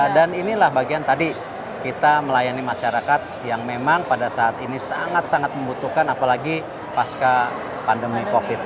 dan inilah bagian tadi kita melayani masyarakat yang memang pada saat ini sangat sangat membutuhkan apalagi pasca pandemi covid ini